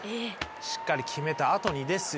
しっかり決めた後にですよ